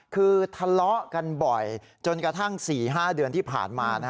คือทะเลาะกันบ่อยจนกระทั่ง๔๕เดือนที่ผ่านมา